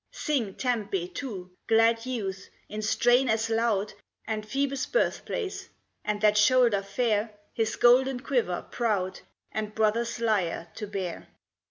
Sing Tempe too, glad youths, in strain as loud, And Phoebus' birthplace, and that shoulder fair, His golden quiver proud And brother's lyre to bear.